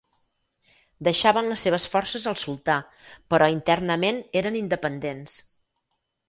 Deixaven les seves forces al sultà però internament eren independents.